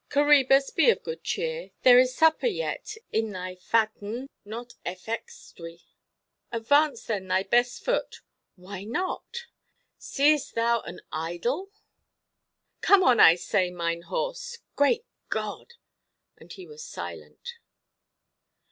Coræbus, be of good cheer, there is supper yet in thy φάτνῃ, not ἐϋξέστῳ; advance then thy best foot. Why not?—seest thou an ἔιδωλον? Come on, I say, mine horse—Great God!——" And he was silent.